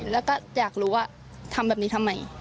แล้วก็อยากรู้ว่าทำแบบนี้ทำไม